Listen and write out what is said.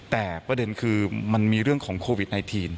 แต่ประเด็นคือมันมีเรื่องของโควิด๑๙